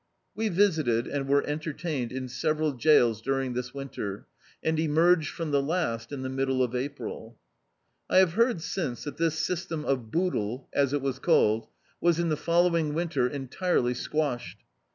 We visited, and were entertwned, in several jails during this winter, and emerged from the last in the middle of April. I have heard since that this system of boodle, as it was called, was in the following winter entirely squashed.